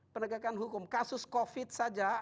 penegakan hukum kasus covid saja